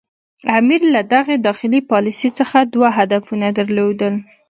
امیر له دغې داخلي پالیسي څخه دوه هدفونه درلودل.